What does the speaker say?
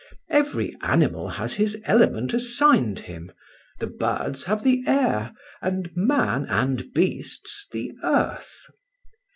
Every animal has his element assigned him; the birds have the air, and man and beasts the earth."